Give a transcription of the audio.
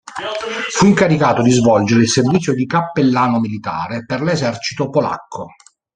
Fu incaricato di svolgere il servizio di cappellano militare per l'esercito polacco.